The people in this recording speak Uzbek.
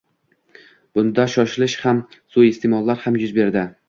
Bunda shoshilish ham, suiiste’mollar ham yuz berdi.